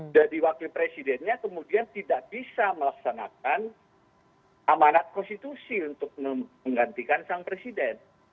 jadi wakil presidennya kemudian tidak bisa melaksanakan amanat konstitusi untuk menggantikan sang presiden